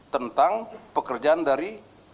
tentang pekerjaan dari